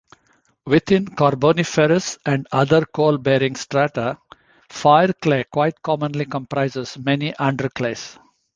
Within Carboniferous and other coal-bearing strata, fireclay quite commonly comprises many underclays.